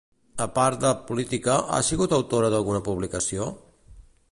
A part de política, ha sigut autora d'alguna publicació?